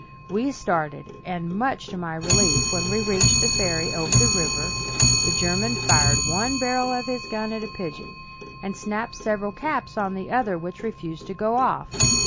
We started, and, much to my relief, when we reached the ferry over the river, the German fired one barrel of his gun at a pigeon, and snapped several caps on the other, which refused to go off.